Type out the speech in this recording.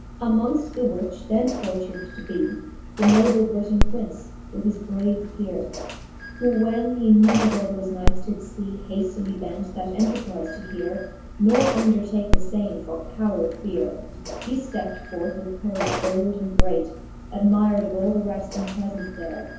XV. Amongft Canto X. the Faerie Slueene, 157 XV. Amongfl: the which then fortuned to bee The noble Briton Prince, with his brave peare ; Who when he none of all thofe knights did fee Haftily bent that enterprise to heare, Nor undertake the fame, for cowheard feare, He ftepped forth with courage bold and great, Admyr'd of all the reft in prefence there.